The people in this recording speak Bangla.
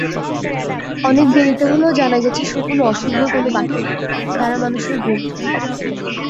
অনেক দেরিতে হলেও জানা গেছে শকুন অশুভ কোনো পাখি নয়, তারা মানুষের বন্ধু।